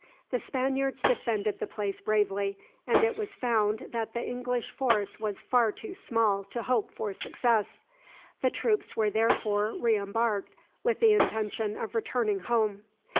The Spaniards defended the place bravely, and it was found that the English force was far too small to hope for success. The troops were therefore re embarked with the intention of returning home.